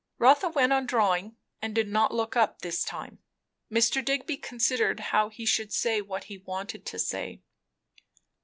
Rotha went on drawing and did not look up, this time. Mr. Digby considered how he should say what he wanted to say.